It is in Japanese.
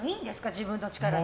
自分の力で。